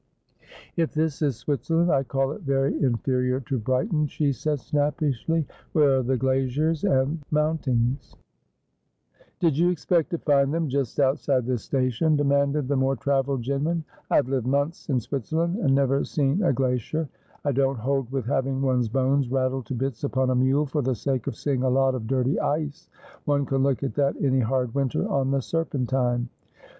'If this is Switzerland, I call it very inferior to Brighton,' she said snappishly. ' Where are the glaziers and the mount ings ?' 'Did you expect to find them just outside the station?' ' But I wot best wher wringeth Me my Sho.' 277 demanded the more travelled Jinman. ' I have lived months in Switzerland and never seen a glashyeer. I don't hold with having one's bones rattled to bits upon a mule for the sake of seeing a lot of dirty ice. One can look at that any hard winter on the Serpentine.'